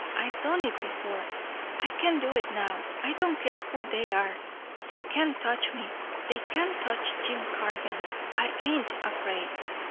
I've done it before I can do it now. I don't care who they are. They can't touch me. They can't touch Jim Cargan. I ain't afraid."